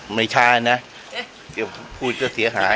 ไม่ใช่นะเดี๋ยวพูดก็เสียหาย